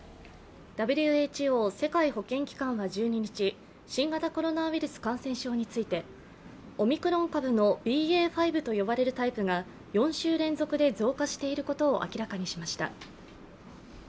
ＷＨＯ＝世界保健機関は１２日、新型コロナウイルス感染症について、オミクロン株のＢＡ．５と呼ばれるタイプが４週連続で増加していることを明らかにしました。